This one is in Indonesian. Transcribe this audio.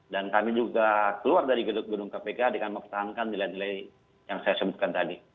dan kami juga keluar dari gedung kpk dengan mempertahankan nilai nilai yang saya sebutkan tadi